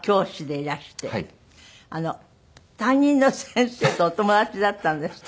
担任の先生とお友達だったんですって？